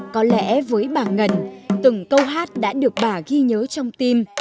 có lẽ với bà ngân từng câu hát đã được bà ghi nhớ trong tim